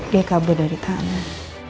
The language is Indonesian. dia kabur dari tanah